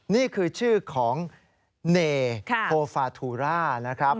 นี่คือชื่อของเนโทฟาทูรานะครับ